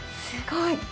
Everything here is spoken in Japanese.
すごい！